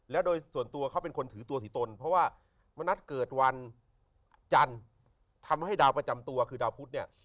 แล้วโดยส่วนตัวเขาเป็นคนถือตัวสีตนเพราะว่ามณัฐเกิดวันจันทร์ทำให้ดาวประจำตัวคือดาวพุทธเนี่ย